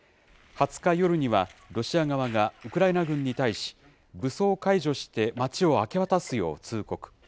２０日夜には、ロシア側がウクライナ軍に対し、武装解除して街を明け渡すよう通告。